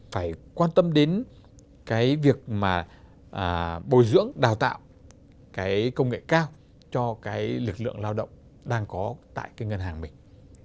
phải quan tâm đến cái việc mà bồi dưỡng đào tạo cái công nghệ cao cho cái lực lượng lao động đang có tại cái ngân hàng mình